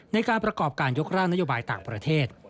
ในการประกอบการยกร่างนโยบายต่างประเทศ